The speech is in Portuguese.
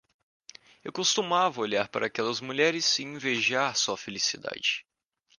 Eu costumava olhar para aquelas mulheres e invejar sua felicidade.